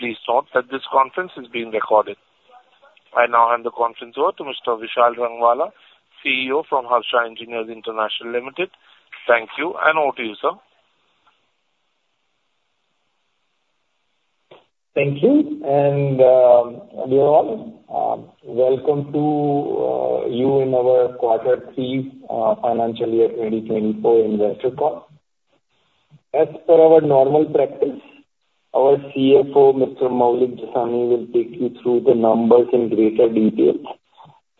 Please note that this conference is being recorded. I now hand the conference over to Mr. Vishal Rangwala, CEO from Harsha Engineers International Limited. Thank you, and over to you, sir. Thank you, and dear all, welcome to you in our Q3 Financial Year 2024 Investor Call. As per our normal practice, our CFO, Mr. Maulik Jasani, will take you through the numbers in greater detail.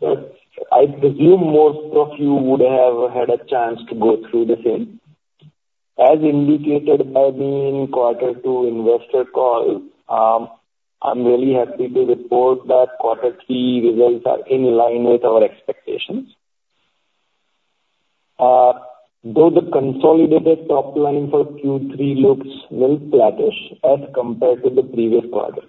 But I presume most of you would have had a chance to go through the same. As indicated by the Q2 investor call, I'm really happy to report that Q3 results are in line with our expectations. Though the consolidated top line for Q3 looks well flattish as compared to the previous quarter,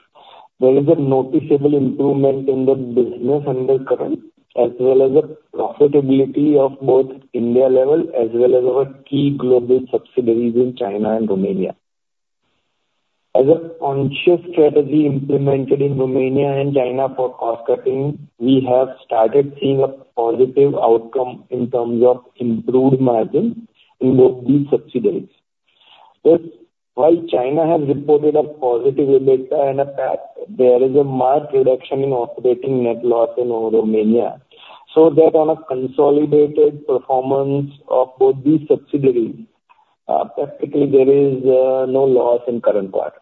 there is a noticeable improvement in the business undercurrent, as well as a profitability of both India level as well as our key global subsidiaries in China and Romania. As a conscious strategy implemented in Romania and China for cost cutting, we have started seeing a positive outcome in terms of improved margins in both these subsidiaries. But while China has reported a positive EBITDA and in fact, there is a marked reduction in operating net loss in Romania, so that on a consolidated performance of both these subsidiaries, practically there is no loss in current quarter.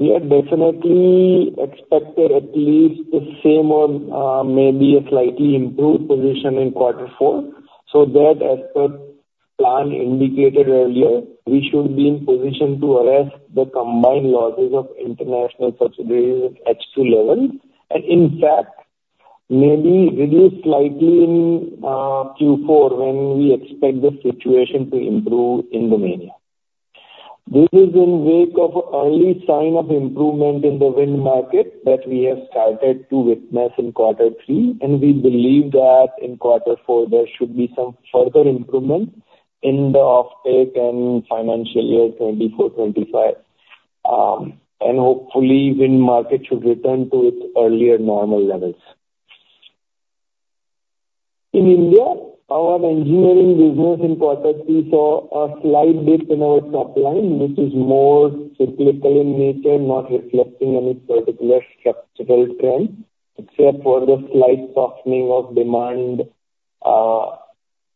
We are definitely expecting at least the same or maybe a slightly improved position in Q4, so that as per plan indicated earlier, we should be in position to arrest the combined losses of international subsidiaries at H2 level, and in fact, maybe reduce slightly in Q4, when we expect the situation to improve in Romania. This is in wake of early sign of improvement in the wind market that we have started to witness in Q3, and we believe that in Q4 there should be some further improvement in the offtake in Financial Year 2024-2025. And hopefully wind market should return to its earlier normal levels. In India, our engineering business in Q3 saw a slight dip in our top line, which is more cyclical in nature, not reflecting any particular structural trend, except for the slight softening of demand,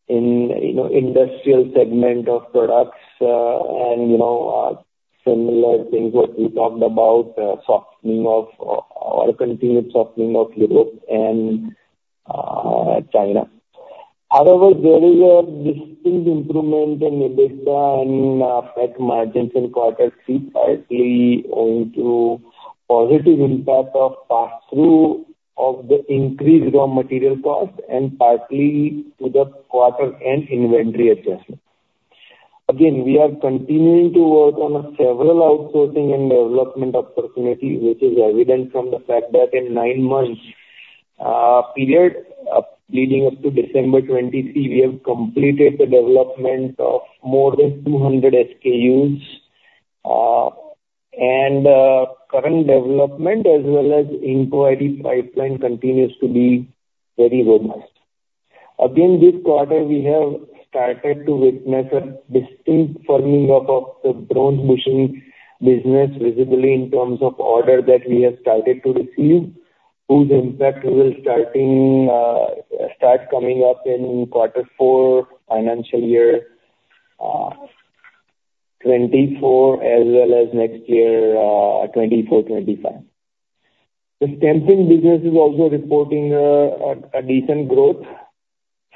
in you know industrial segment of products, and you know similar things what we talked about, softening of or continued softening of Europe and China. However, there is a distinct improvement in EBITDA and PAT margins in Q3, partly owing to positive impact of pass-through of the increased raw material cost and partly to the quarter-end inventory adjustment. Again, we are continuing to work on several outsourcing and development opportunities, which is evident from the fact that in nine months period leading up to December 2023, we have completed the development of more than 200 SKUs, and current development as well as inquiry pipeline continues to be very robust. Again, this quarter, we have started to witness a distinct firming up of the bronze bushing business visibly in terms of order that we have started to receive, whose impact will start coming up in Q4, Financial Year 2024, as well as next year 2024-2025. The stamping business is also reporting a decent growth.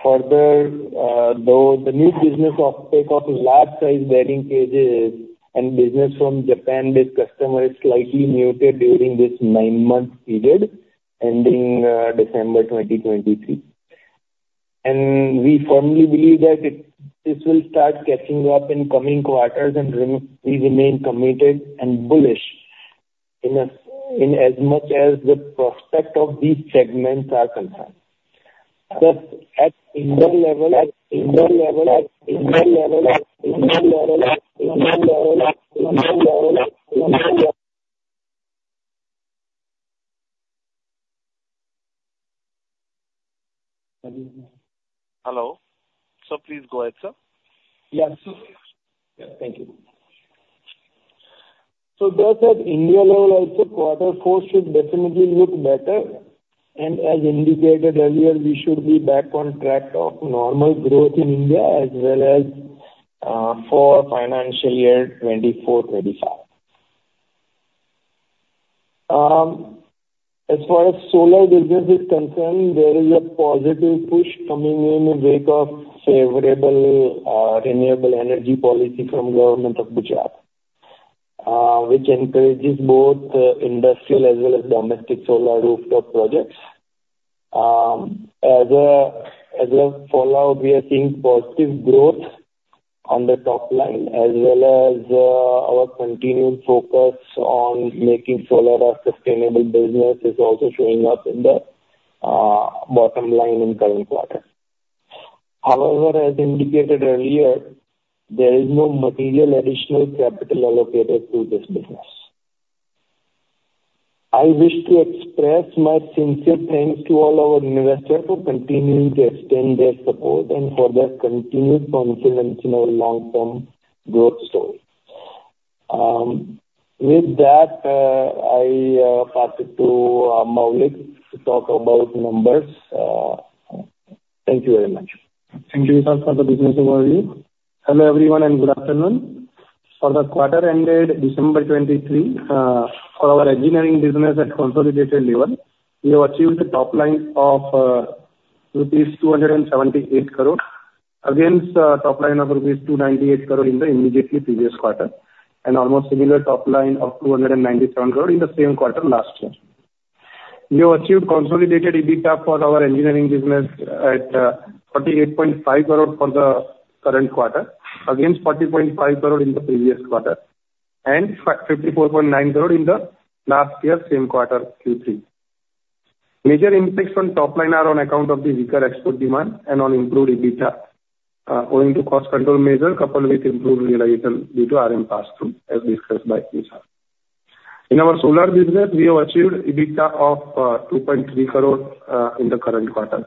Further, though the new business of take-off large size bearing cages and business from Japan-based customer is slightly muted during this nine-month period, ending December 2023. And we firmly believe that it, this will start catching up in coming quarters and we remain committed and bullish in as much as the prospect of these segments are concerned. But at India level. Hello. Sir, please go ahead, sir. Yeah, sure. Yeah. Thank you. So thus, at India level, I think Q4 should definitely look better, and as indicated earlier, we should be back on track of normal growth in India as well as for Financial Year 2024-2025. As far as solar business is concerned, there is a positive push coming in the wake of favorable renewable energy policy from Government of Gujarat, which encourages both industrial as well as domestic solar rooftop projects. As a fallout, we are seeing positive growth on the top line, as well as our continued focus on making solar a sustainable business is also showing up in the bottom line in current quarter. However, as indicated earlier, there is no material additional capital allocated to this business. I wish to express my sincere thanks to all our investors for continuing to extend their support and for their continued confidence in our long-term growth story. With that, I pass it to Maulik to talk about numbers. Thank you very much. Thank you, Vishal, for the business overview. Hello, everyone, and good afternoon. For the quarter ended December 2023, for our engineering business at consolidated level, we have achieved a top line of rupees 278 crore, against top line of rupees 298 crore in the immediately previous quarter, and almost similar top line of 297 crore in the same quarter last year. We have achieved consolidated EBITDA for our engineering business at 48.5 crore for the current quarter, against 40.5 crore in the previous quarter, and 54.9 crore in the last year same quarter, Q3. Major impacts on top line are on account of the weaker export demand and on improved EBITDA, owing to cost control measure, coupled with improved realization due to RM pass-through, as discussed by Vishal. In our solar business, we have achieved EBITDA of 2.3 crore in the current quarter.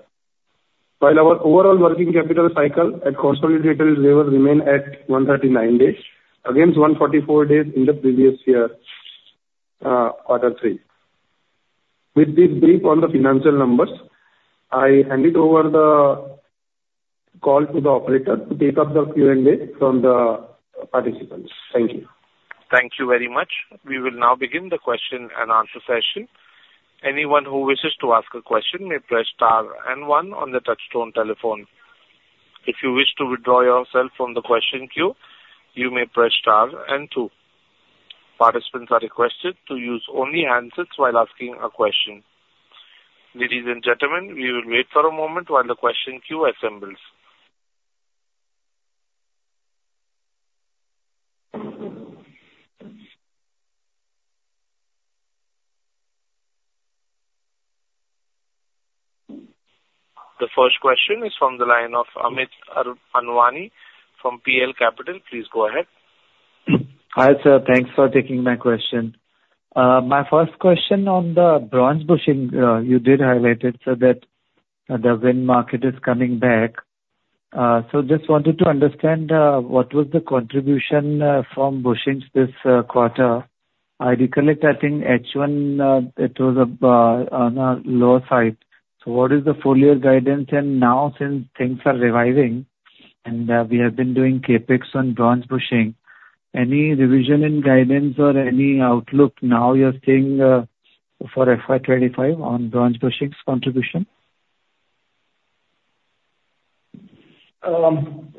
While our overall working capital cycle at consolidated level remain at 139 days, against 144 days in the previous year, Q3. With this brief on the financial numbers, I hand it over the call to the operator to take up the Q&A from the participants. Thank you. Thank you very much. We will now begin the question and answer session. Anyone who wishes to ask a question may press star and one on the touchtone telephone. If you wish to withdraw yourself from the question queue, you may press star and two. Participants are requested to use only handsets while asking a question. Ladies and gentlemen, we will wait for a moment while the question queue assembles. The first question is from the line of Amit Anwani from PL Capital. Please go ahead. Hi, sir. Thanks for taking my question. My first question on the bronze bushing, you did highlight it so that the wind market is coming back. So just wanted to understand, what was the contribution from bushings this quarter. I recollect, I think H1, it was on a lower side. So what is the full year guidance? And now, since things are reviving and, we have been doing CapEx on bronze bushing, any revision in guidance or any outlook now you are seeing, for FY25 on bronze bushings contribution?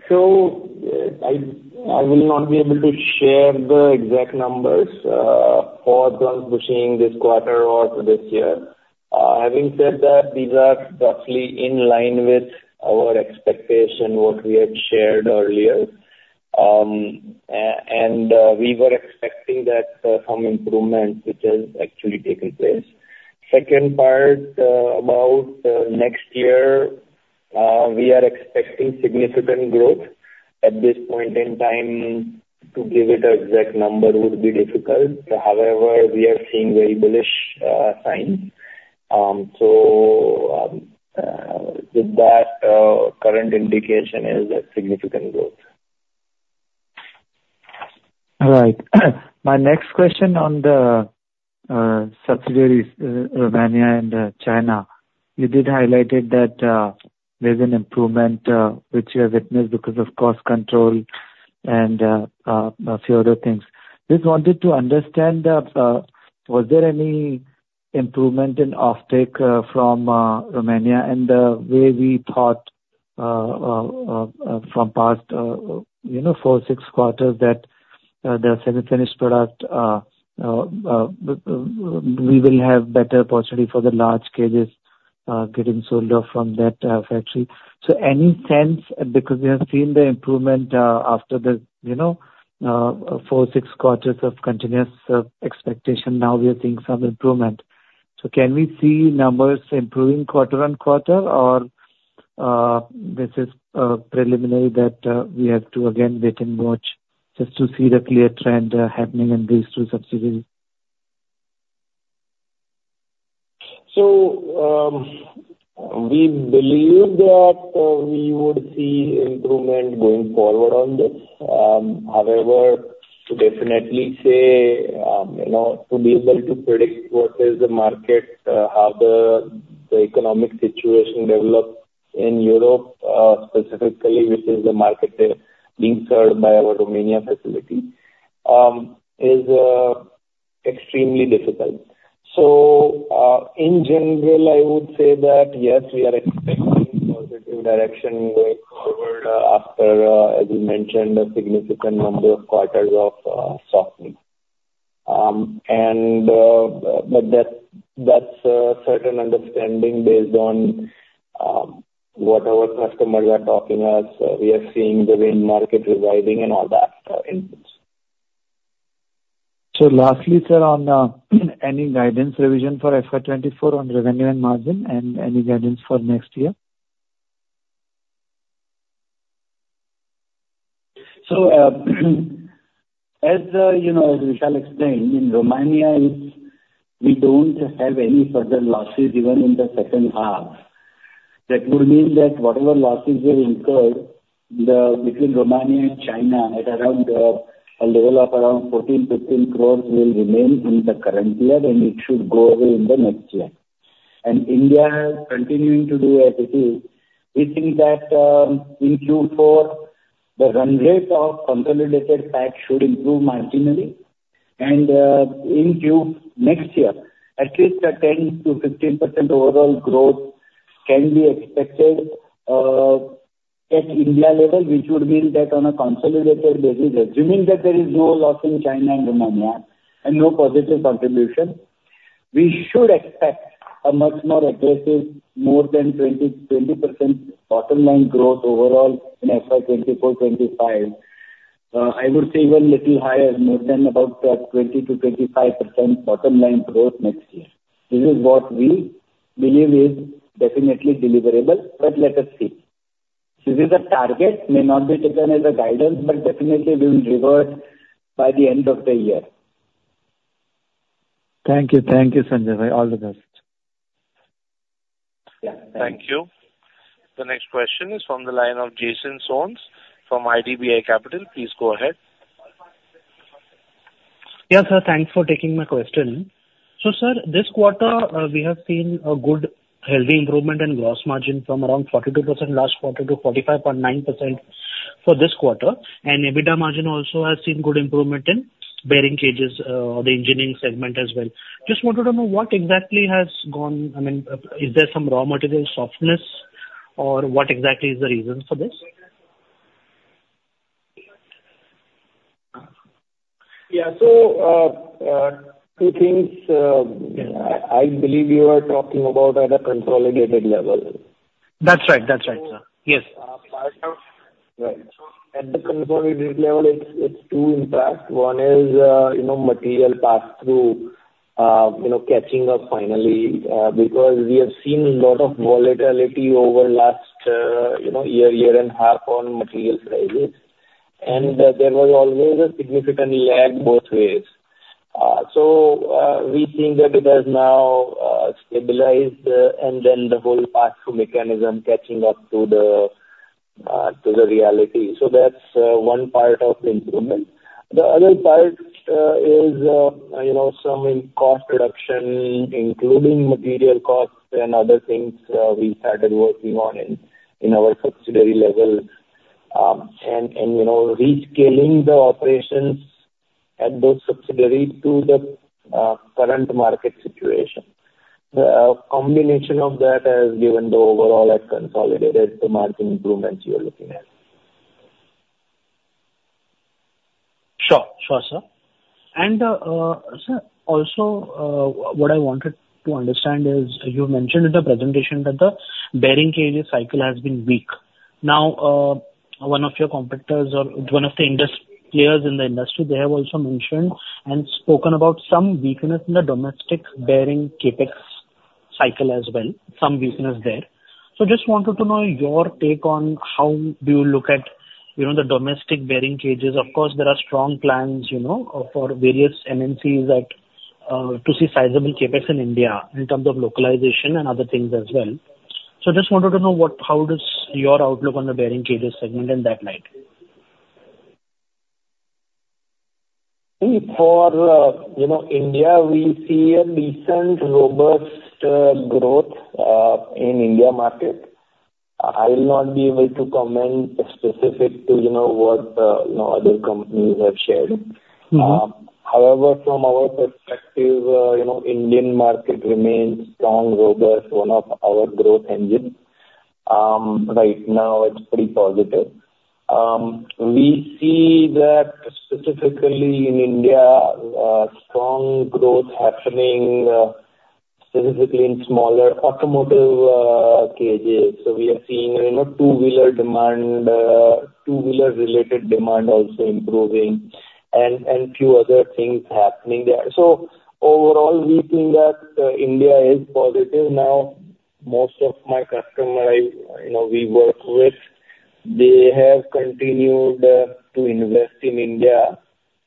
So I will not be able to share the exact numbers for bronze bushing this quarter or this year. Having said that, these are roughly in line with our expectation, what we had shared earlier. And we were expecting that some improvement, which has actually taken place. Second part, about next year, we are expecting significant growth. At this point in time, to give it an exact number would be difficult. However, we are seeing very bullish signs. So with that, current indication is a significant growth. All right. My next question on the subsidiaries, Romania and China. You did highlighted that there's an improvement which you have witnessed because of cost control and a few other things. Just wanted to understand, was there any improvement in off-take from Romania and the way we thought from past, you know, four to six quarters, that there are several finished product we will have better opportunity for the large cages getting sold off from that factory. So any sense? Because we have seen the improvement after the, you know, four to six quarters of continuous expectation, now we are seeing some improvement. So can we see numbers improving quarter-over-quarter, or this is preliminary that we have to again wait and watch just to see the clear trend happening in these two subsidiaries? So, we believe that we would see improvement going forward on this. However, to definitely say, you know, to be able to predict what is the market, how the economic situation develops in Europe, specifically, which is the market there being served by our Romania facility, is extremely difficult. So, in general, I would say that yes, we are expecting positive direction going forward, after, as you mentioned, a significant number of quarters of softness. And, but that, that's a certain understanding based on what our customers are talking as we are seeing the wind market reviving and all that input. So lastly, sir, on any guidance revision for FY24 on revenue and margin and any guidance for next year? As you know, as Vishal explained, in Romania, it's we don't have any further losses even in the second half. That will mean that whatever losses we incurred, between Romania and China at around a level of around 14 crore-15 crore will remain in the current year, and it should go away in the next year. India continuing to do as it is. We think that in Q4, the run rate of consolidated PAT should improve marginally, and in Q next year, at least a 10%-15% overall growth can be expected at India level, which would mean that on a consolidated basis, assuming that there is no loss in China and Romania and no positive contribution, we should expect a much more aggressive, more than 20, 20% bottom line growth overall in FY 2024-2025. I would say even little higher, more than about 20%-25% bottom line growth next year. This is what we believe is definitely deliverable, but let us see. This is the target, may not be taken as a guidance, but definitely we will revert by the end of the year. Thank you. Thank you, Sanjay. All the best. Yeah. Thank you. The next question is from the line of Jason Soans from IDBI Capital. Please go ahead. Yeah, sir. Thanks for taking my question. So sir, this quarter, we have seen a good healthy improvement in gross margin from around 42% last quarter to 45.9% for this quarter, and EBITDA margin also has seen good improvement in bearing cages, or the engineering segment as well. Just wanted to know what exactly has gone, I mean, is there some raw material softness, or what exactly is the reason for this? Yeah. So, two things. I believe you are talking about at a consolidated level. That's right. That's right, sir. Yes. Right. So at the consolidated level, it's two impact. One is, you know, material pass-through, you know, catching up finally, because we have seen a lot of volatility over last, you know, year, year and half on material prices, and there was always a significant lag both ways. So, we think that it has now stabilized, and then the whole pass-through mechanism catching up to the, to the reality. So that's one part of the improvement. The other part is, you know, some in cost reduction, including material costs and other things, we started working on in, in our subsidiary level, and, and, you know, reskilling the operations at those subsidiaries to the current market situation. The combination of that has given the overall consolidated market improvements you're looking at. Sure. Sure, sir. And, sir, also, what I wanted to understand is, you mentioned in the presentation that the bearing cages cycle has been weak. Now, one of your competitors or one of the industry players in the industry, they have also mentioned and spoken about some weakness in the domestic bearing CapEx cycle as well, some weakness there. So just wanted to know your take on how do you look at, you know, the domestic bearing cages. Of course, there are strong plans, you know, for various MNCs that, to see sizable CapEx in India in terms of localization and other things as well. So just wanted to know what, how does your outlook on the bearing cages segment in that light? See, for you know, India, we see a decent, robust growth in India market. I will not be able to comment specific to, you know, what you know, other companies have shared. However, from our perspective, you know, Indian market remains strong, robust, one of our growth engines. Right now it's pretty positive. We see that specifically in India, strong growth happening, specifically in smaller automotive cages. So we are seeing, you know, two-wheeler demand, two-wheeler related demand also improving and few other things happening there. So overall, we think that India is positive now. Most of my customers, I you know, we work with, they have continued to invest in India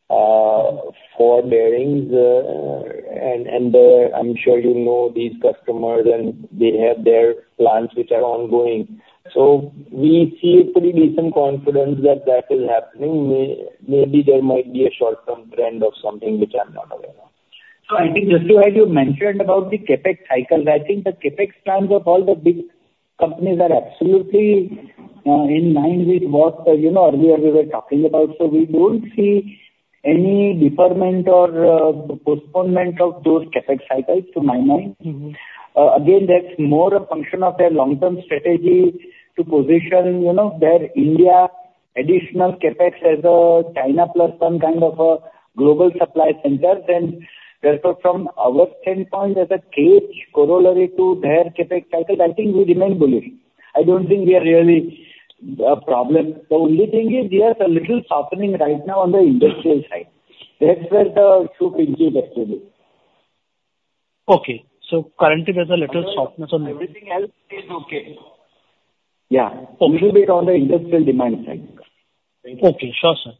for bearings and I'm sure you know these customers, and they have their plans which are ongoing. So we see a pretty decent confidence that that is happening. Maybe there might be a short-term trend of something which I'm not aware of. So I think just as you mentioned about the CapEx cycle, I think the CapEx plans of all the big companies are absolutely in line with what, you know, earlier we were talking about, so we don't see any deferment or postponement of those CapEx cycles, to my mind. Again, that's more a function of their long-term strategy to position, you know, their India additional CapEx as a China Plus One kind of a global supply center. And therefore, from our standpoint, as a cage corollary to their CapEx cycle, I think we remain bullish. I don't think we are really a problem. The only thing is, we have a little softening right now on the industrial side. That's where the issue pinch is actually. Okay. So currently, there's a little softness on the Everything else is okay. Yeah. Okay. A little bit on the industrial demand side. Okay. Sure, sir.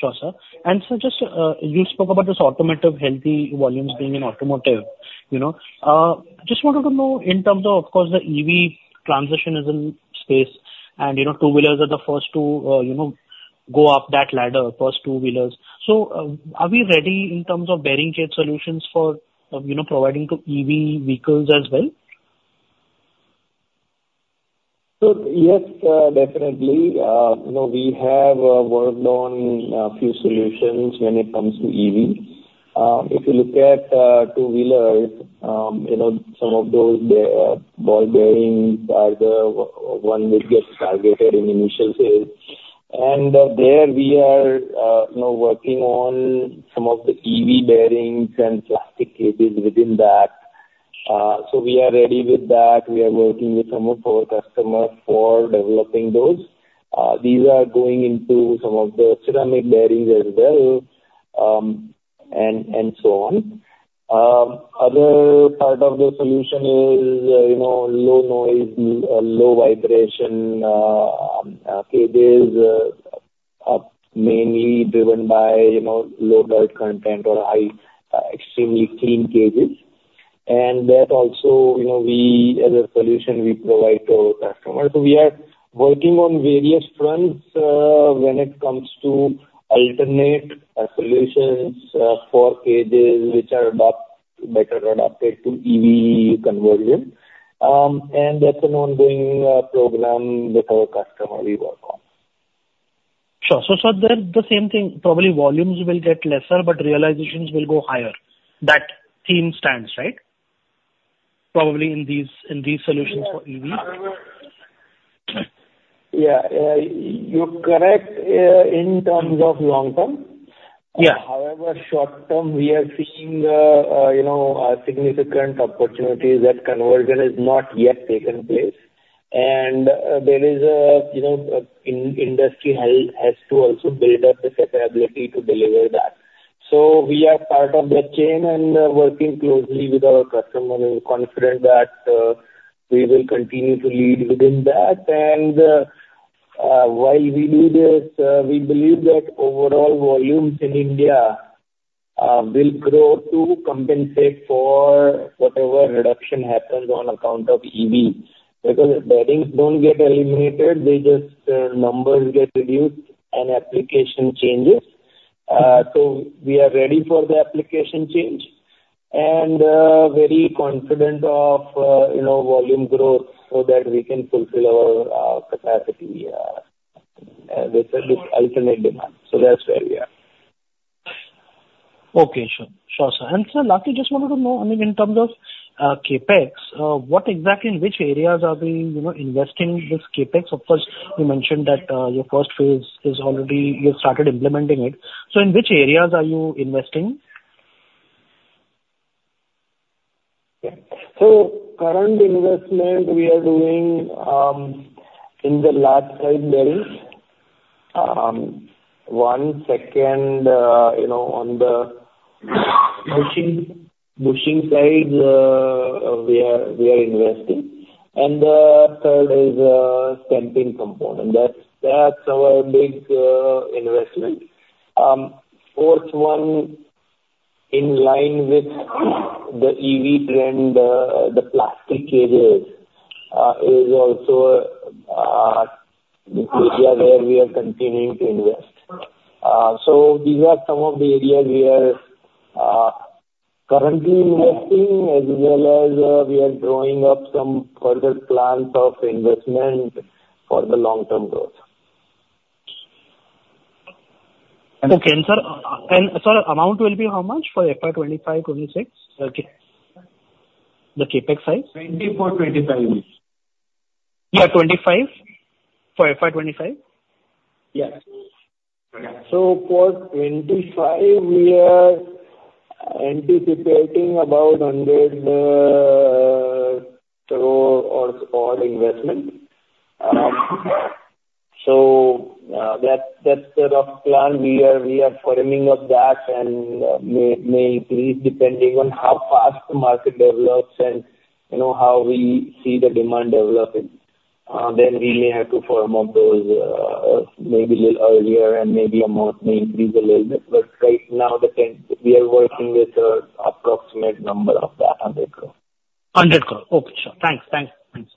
Sure, sir. And sir, just, you spoke about this automotive, healthy volumes being in automotive, you know. Just wanted to know in terms of, of course, the EV transition is in space, and, you know, two-wheelers are the first to, you know, go up that ladder, first two-wheelers. So, are we ready in terms of bearing kit solutions for, you know, providing to EV vehicles as well? So yes, definitely. You know, we have worked on a few solutions when it comes to EV. If you look at two-wheelers, you know, some of those ball bearings are the one which gets targeted in initial sales. And there we are, you know, working on some of the EV bearings and plastic cages within that. So we are ready with that. We are working with some of our customers for developing those. These are going into some of the ceramic bearings as well, and so on. Other part of the solution is, you know, low noise, low vibration cages, mainly driven by, you know, low dirt content or high, extremely clean cages. And that also, you know, we, as a solution, we provide to our customers. So we are working on various fronts, when it comes to alternate solutions, for cages which are better adapted to EV conversion. And that's an ongoing program with our customer we work on. Sure. So, so then the same thing, probably volumes will get lesser, but realizations will go higher. That theme stands, right? Probably in these, in these solutions for EV. Yeah. You're correct, in terms of long term. Yeah. However, short-term, we are seeing, you know, significant opportunities that conversion has not yet taken place. And, there is a, you know, industry has to also build up the capability to deliver that. So we are part of that chain and, working closely with our customer, and we're confident that, we will continue to lead within that. And, while we do this, we believe that overall volumes in India, will grow to compensate for whatever reduction happens on account of EV. Because the bearings don't get eliminated, they just numbers get reduced and application changes. So we are ready for the application change and, very confident of, you know, volume growth so that we can fulfill our, capacity, with this alternate demand. So that's where we are. Okay, sure. Sure, sir. And sir, lastly, just wanted to know, I mean, in terms of, CapEx, what exactly, in which areas are we, you know, investing this CapEx? Of course, you mentioned that, your first phase is already. You started implementing it. So in which areas are you investing? Yeah. So current investment we are doing in the large size bearings. One second, you know, on the bushings side, we are investing. And third is stamping component. That's our big investment. Fourth one, in line with the EV trend, the plastic cages is also the area where we are continuing to invest. So these are some of the areas we are currently investing, as well as we are drawing up some further plans of investment for the long-term growth. Okay. Sir, amount will be how much for FY 2025-2026? The CapEx size. 20 for 25, you mean? Yeah, 25. For FY 2025. Yeah. So for 2025, we are anticipating about 100 crore or more investment. So, that sort of plan, we are firming up that and may increase depending on how fast the market develops and, you know, how we see the demand developing. Then we may have to firm up those, maybe little earlier and maybe amount may increase a little bit. But right now, the thing, we are working with a approximate number of 100 crore. 100 crore. Okay, sure. Thanks. Thanks. Thanks.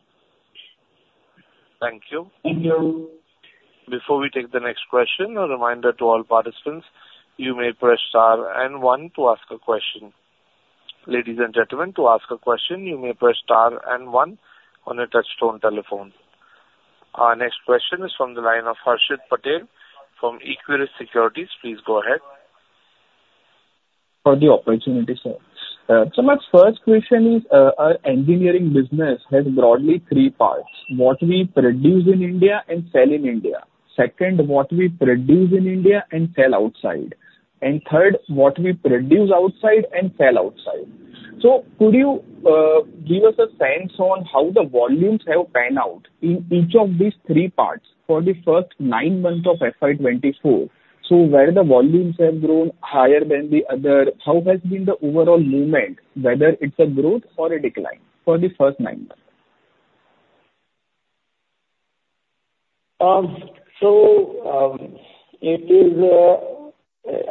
Thank you. Thank you. Before we take the next question, a reminder to all participants, you may press star and one to ask a question. Ladies and gentlemen, to ask a question, you may press star and one on your touchtone telephone. Our next question is from the line of Harshit Patel from Equirus Securities. Please go ahead. For the opportunity, sir. So my first question is, our engineering business has broadly three parts: what we produce in India and sell in India. Second, what we produce in India and sell outside. And third, what we produce outside and sell outside. So could you give us a sense on how the volumes have panned out in each of these three parts for the first nine months of FY 2024? So where the volumes have grown higher than the other, how has been the overall movement, whether it's a growth or a decline for the first nine months? So,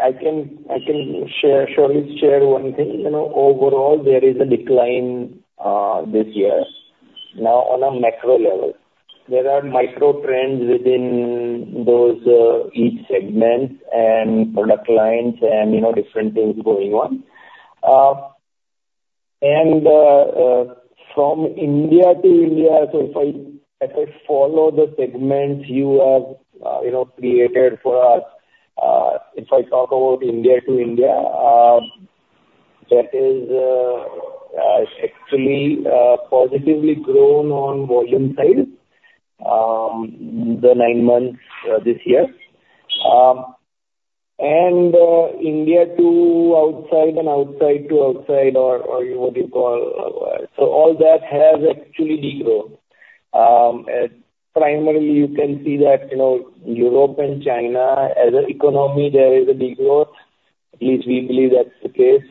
I can surely share one thing. You know, overall, there is a decline this year. Now, on a macro level, there are micro trends within those, each segments and product lines and, you know, different things going on. And from India to India, so if I follow the segments you have, you know, created for us, if I talk about India to India, that is actually positively grown on volume side, the nine months this year. And India to outside and outside to outside or, or what you call, so all that has actually degrown. Primarily, you know, you can see that, you know, Europe and China, as an economy, there is a degrowth. At least we believe that's the case.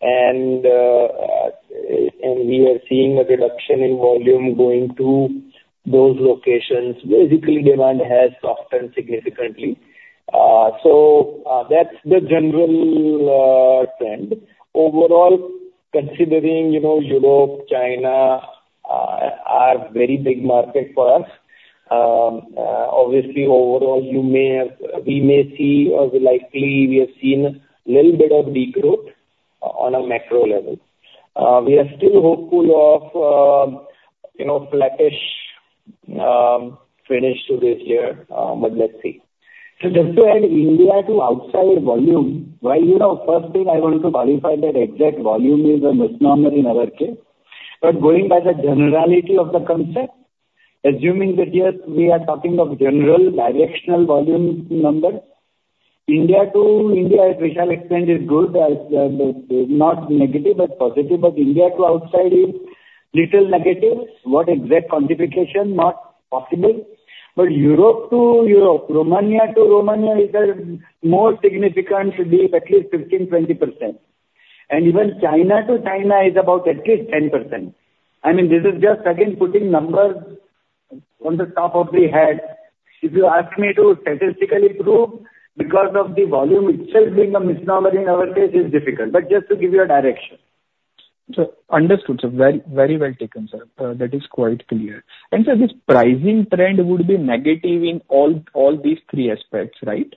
And we are seeing a reduction in volume going to those locations. Basically, demand has softened significantly. So, that's the general trend. Overall, considering, you know, Europe, China, are very big market for us. Obviously, overall, you may have, we may see or likely we have seen a little bit of degrowth on a macro level. We are still hopeful of, you know, flattish finish to this year, but let's see. So just to add India to outside volume, while, you know, first thing I want to qualify that exact volume is a misnomer in our case. But going by the generality of the concept, assuming that here we are talking of general directional volume number, India to India, as Vishal explained, is good, not negative, but positive, but India to outside is little negative. What exact quantification? Not possible. But Europe to Europe, Romania to Romania is a more significant dip, at least 15%-20%. And even China to China is about at least 10%. I mean, this is just again, putting numbers on the top of the head. If you ask me to statistically prove because of the volume itself being a misnomer in our case, it's difficult. But just to give you a direction. Sir, understood, sir. Very, very well taken, sir. That is quite clear. And so this pricing trend would be negative in all, all these three aspects, right?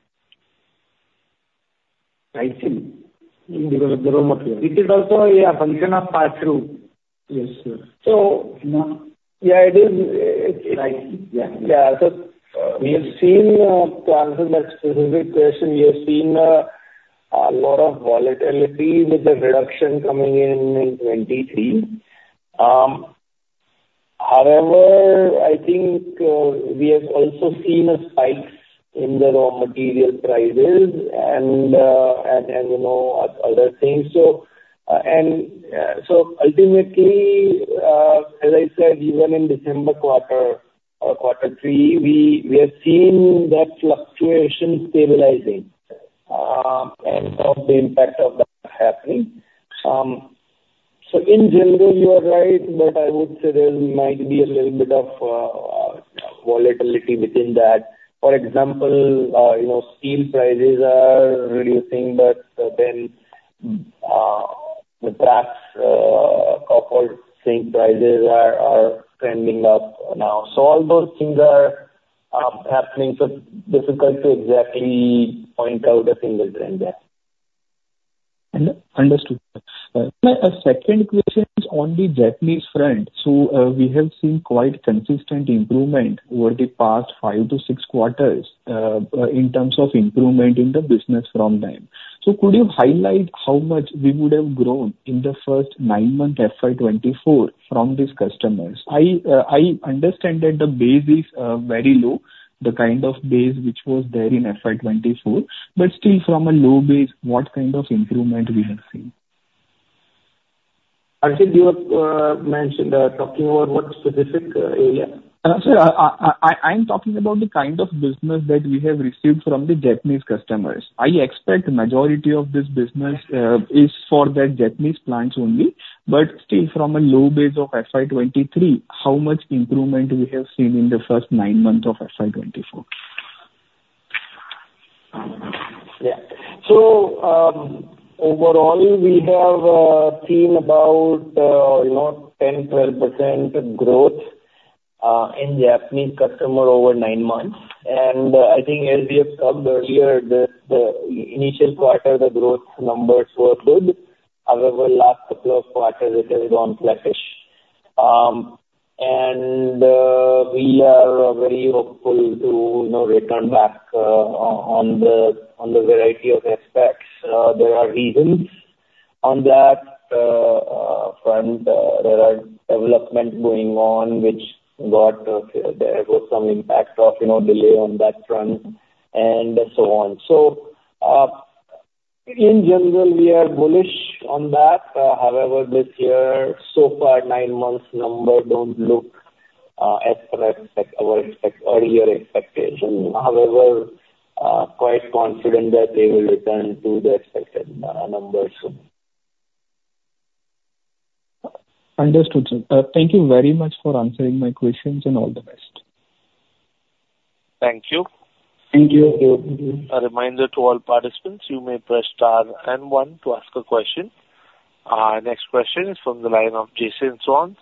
I see. Because the raw material. It is also a function of pass-through. Yes, sir. So, yeah, it is like yeah. Yeah, so to answer that specific question, we have seen a lot of volatility with the reduction coming in in 2023. However, I think we have also seen a spike in the raw material prices and you know, other things. So ultimately, as I said, even in December quarter, Q3, we have seen that fluctuation stabilizing and some of the impact of that happening. So in general, you are right, but I would say there might be a little bit of volatility within that. For example, you know, steel prices are reducing, but then the brass, copper, zinc prices are trending up now. So all those things are happening, so difficult to exactly point out a single trend there. Understood. My second question is on the Japanese front. So, we have seen quite consistent improvement over the past five to six quarters, in terms of improvement in the business from them. So could you highlight how much we would have grown in the first nine month FY 2024 from these customers? I, I understand that the base is, very low, the kind of base which was there in FY 2024, but still from a low base, what kind of improvement we have seen? Harshit, you have mentioned talking about what specific area? Sir, I'm talking about the kind of business that we have received from the Japanese customers. I expect majority of this business is for the Japanese plants only. But still from a low base of FY 2023, how much improvement we have seen in the first nine months of FY 2024? Yeah. So, overall, we have seen about, you know, 10%, 12% growth in Japanese customer over nine months. And I think as we have covered earlier, the initial quarter, the growth numbers were good. However, last couple of quarters, it has gone flattish. And we are very hopeful to, you know, return back on the variety of aspects. There are reasons on that front, there are development going on, which got there was some impact of, you know, delay on that front, and so on. So, in general, we are bullish on that. However, this year, so far, nine months numbers don't look as per our earlier expectation. However, quite confident that they will return to the expected numbers soon. Understood, sir. Thank you very much for answering my questions, and all the best. Thank you. Thank you. A reminder to all participants, you may press star and one to ask a question. Our next question is from the line of Jason Soans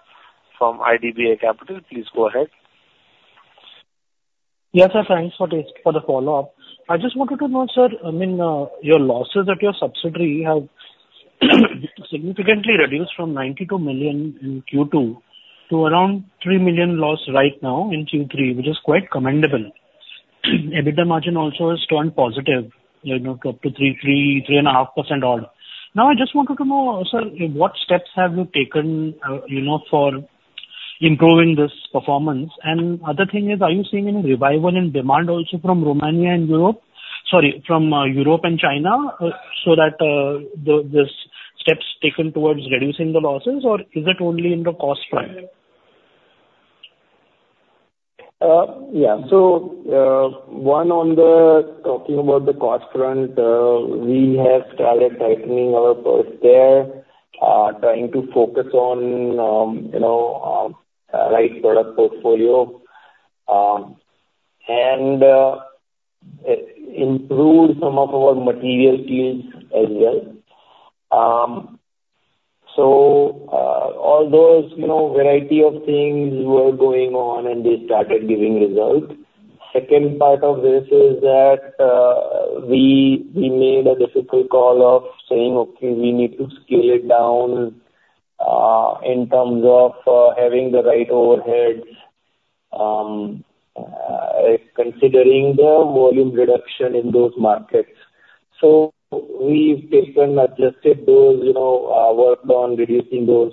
from IDBI Capital. Please go ahead. Yes, sir, thanks for this, for the follow-up. I just wanted to know, sir, I mean, your losses at your subsidiary have significantly reduced from 92 million in Q2 to around 3 million loss right now in Q3, which is quite commendable. EBITDA margin also has turned positive, you know, to up to 3.3%-3.5% odd. Now, I just wanted to know, sir, what steps have you taken, you know, for improving this performance? And other thing is, are you seeing any revival in demand also from Romania and Europe. Sorry, from Europe and China, so that the this steps taken towards reducing the losses, or is it only in the cost front? Yeah. So, one, on talking about the cost front, we have started tightening our purse there, trying to focus on, you know, right product portfolio, and, improve some of our material skills as well. So, all those, you know, variety of things were going on, and they started giving results. Second part of this is that, we made a difficult call of saying, "Okay, we need to scale it down, in terms of, having the right overheads, considering the volume reduction in those markets." So we've taken, adjusted those, you know, worked on reducing those,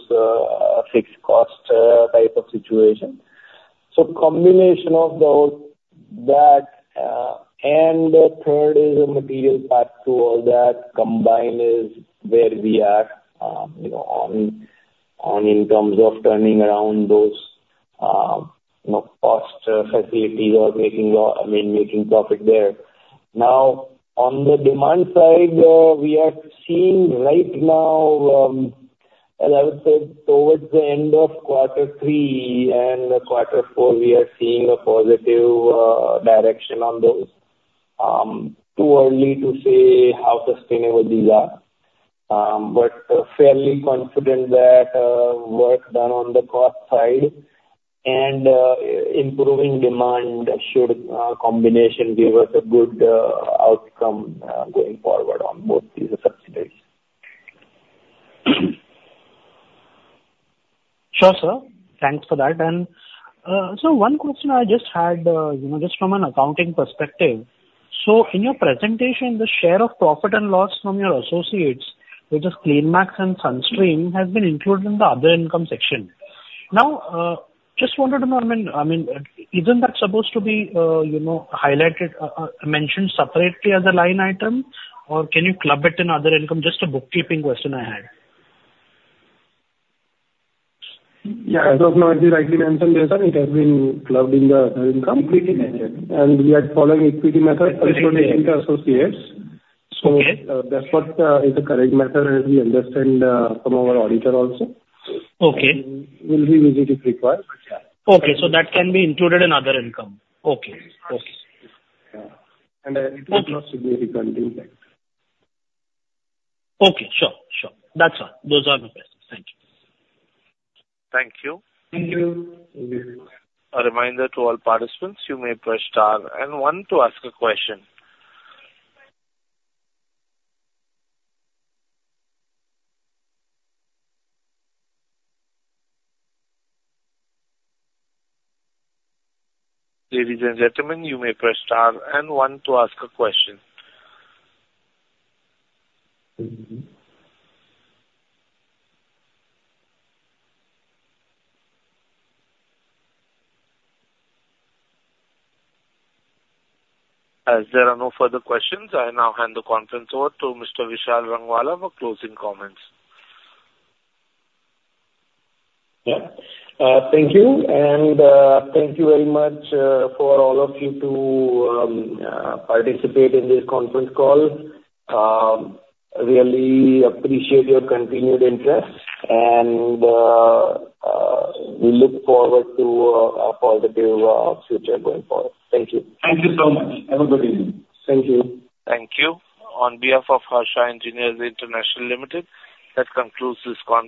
fixed costs, type of situation. So combination of those, that, and the third is the material part to all that, combined, is where we are, you know, on in terms of turning around those, you know, cost facilities or making I mean, making profit there. Now, on the demand side, we are seeing right now, and I would say towards the end of Q3 and Q4, we are seeing a positive direction on those. Too early to say how sustainable these are, but fairly confident that, work done on the cost side and, improving demand should, combination give us a good outcome, going forward on both these subsidiaries. Sure, sir. Thanks for that. And so one question I just had, you know, just from an accounting perspective, so in your presentation, the share of profit and loss from your associates, which is CleanMax and Sunstream, has been included in the other income section. Now, just wanted to know, I mean, isn't that supposed to be, you know, highlighted, mentioned separately as a line item, or can you club it in other income? Just a bookkeeping question I had. Yeah, as rightly mentioned, it has been clubbed in the other income. Equity method. We are following equity method. Okay. Associates. So. Okay. That's what is the correct method, as we understand, from our auditor also. Okay. We'll be visiting if required. Okay. So that can be included in other income. Okay. Okay. Yeah. It will not be refunded back. Okay. Sure. Sure. That's all. Those are the questions. Thank you. Thank you. Thank you. A reminder to all participants, you may press star and one to ask a question. Ladies and gentlemen, you may press star and one to ask a question. As there are no further questions, I now hand the conference over to Mr. Vishal Rangwala for closing comments. Yeah. Thank you, and thank you very much for all of you to participate in this conference call. Really appreciate your continued interest, and we look forward to a positive future going forward. Thank you. Thank you so much. Have a good evening. Thank you. Thank you. On behalf of Harsha Engineers International Limited, that concludes this conference.